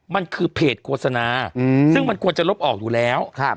มันคือเพจโฆษณาซึ่งมันควรจะลบออกอยู่แล้ว